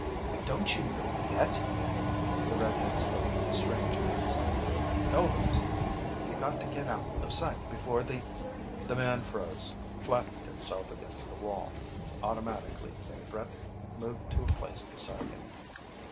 "Don't you know yet?" The red head spoke with a strange accent. "Golems ... You got to get out of sight before the "The man froze, flattened himself against the wall. Automatically Brett moved to a place beside him.